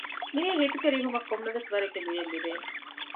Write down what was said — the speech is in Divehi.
މިރޭ ހިތުގެ ރިހުމަށް ކޮންމެވެސް ވަރެއްގެ ލުޔެއް ލިބޭނެ